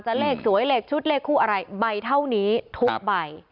เลขสวยเลขชุดเลขคู่อะไรใบเท่านี้ทุกใบ